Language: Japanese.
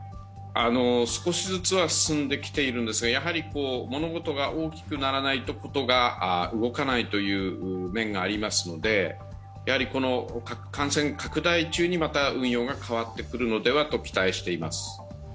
少しずつは進んできているんですが、やはり物事が大きくならないと事が動かないという面がありますので、この感染拡大中にまた運用が変わってくるのではと期待しています。